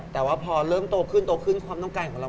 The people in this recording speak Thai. แต่ว่าพอเริ่มโตขึ้นของเรา